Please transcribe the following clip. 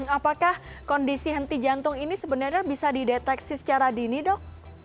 apakah kondisi henti jantung ini sebenarnya bisa dideteksi secara dini dok